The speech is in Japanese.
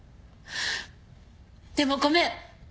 でもごめん！